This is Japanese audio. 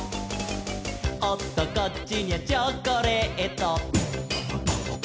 「おっとこっちにゃチョコレート」